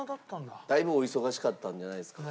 だいぶお忙しかったんじゃないですか？